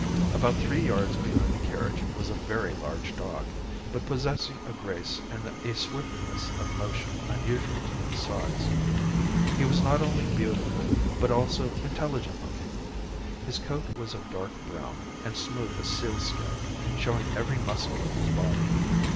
About three yards behind the carriage was a very large dog, but possessing a grace and a swiftness of motion unusual to his size. He was not only beautiful, but also intelligent looking. His coat was of dark brown, and smooth as sealskin, showing every muscle of his body.